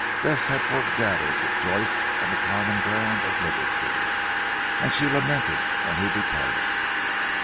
Bess had foregathered with Joyce on the common ground of literature, and she lamented when he departed.